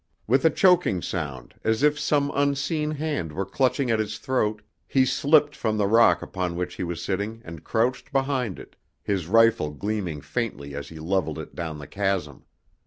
With a choking sound, as if some unseen hand were clutching at his throat, he slipped from the rock upon which he was sitting and crouched behind it, his rifle gleaming faintly as he leveled it down the chasm.